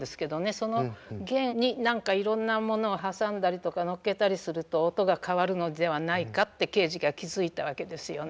その弦に何かいろんなものを挟んだりとか載っけたりすると音が変わるのではないかってケージが気付いたわけですよね。